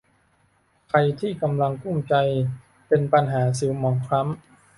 ใครที่กำลังกลุ้มใจกับปัญหาผิวหมองคล้ำ